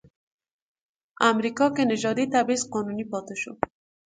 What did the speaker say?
امریکا کې نژادي تبعیض قانوني پاتې شو.